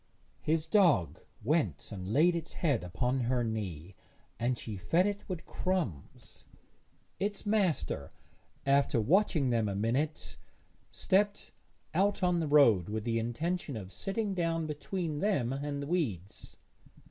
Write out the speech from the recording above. His dog went and laid its head upon her knee, and she fed it with crumbs; its master, after watching them a minute, stepped out on the road with the intention of sitting down between them and the weeds.